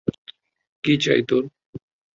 কী চাই তোর?